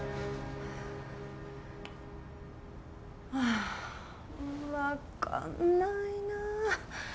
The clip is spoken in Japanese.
ああ分かんないな。